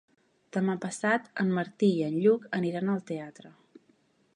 Demà passat en Martí i en Lluc aniran al teatre.